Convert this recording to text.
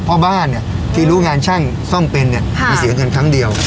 เพราะบ้านเนี่ยที่รู้งานช่างซ่อมเป็นเนี่ยมาเสียเงินครั้งเดียว